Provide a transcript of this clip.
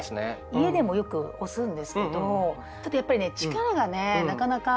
家でもよく押すんですけどちょっとやっぱりね力がねなかなか。